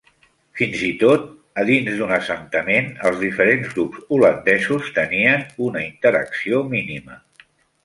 Fins i tot a dins d'un assentament, els diferents grups holandesos tenien una interacció mínima.